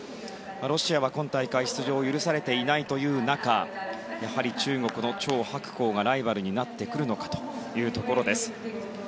ロシアは今大会出場を許されていないという中やはり中国のチョウ・ハクコウがライバルになってくるのかというところです。